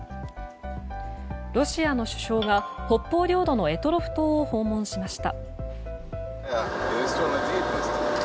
ロシアの首相が北方領土の択捉島を訪問しました。